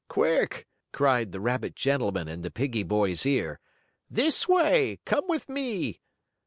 "Quick!" cried the rabbit gentleman in the piggie boy's ear. "This way! Come with me!"